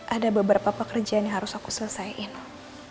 ada beberapa pekerjaan yang harus aku selesaiin